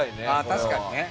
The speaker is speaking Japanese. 確かにね。